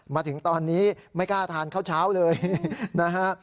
มาถึงตอนนี้ไม่กล้าทานข้าวเช้าเลยนะฮะ